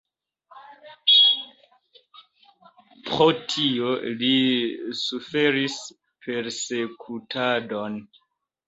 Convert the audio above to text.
Pro tio li suferis persekutadon.